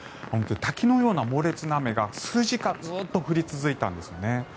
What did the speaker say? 滝のような猛烈な雨が数時間ずっと降り続いたんですね。